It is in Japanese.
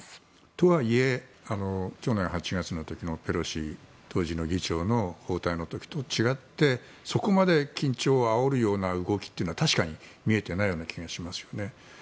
とはいえ去年８月の時の当時のペロシ議長の訪台の時と違ってそこまで緊張をあおるような動きというのは確かに見えてないような気がしますよね。